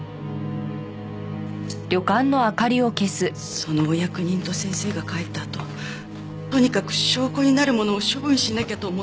そのお役人と先生が帰ったあととにかく証拠になるものを処分しなきゃと思って。